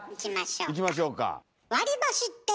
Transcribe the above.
いきましょうか。